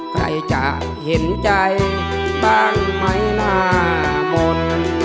ใครจะเห็นใจบ้างไหมหน้ามนต์